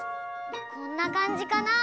こんなかんじかな？